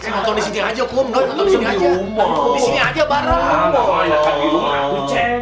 nonton di sini aja kom